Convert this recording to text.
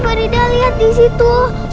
faridah lihat di situ